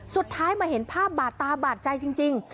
สุดท้ายมาเห็นภาพบาดตาบาดใจจริง